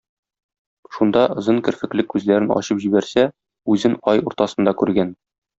Шунда озын керфекле күзләрен ачып җибәрсә, үзен ай уртасында күргән.